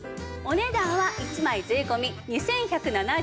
お値段は１枚税込２１７８円。